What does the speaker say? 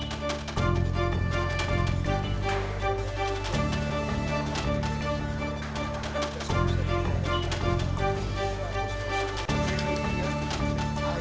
sebelumnya saya kembali ke changi